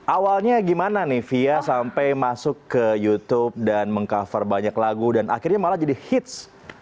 awalnya gimana nih fia sampai masuk ke youtube dan meng cover banyak lagu dan akhirnya malah jadi hits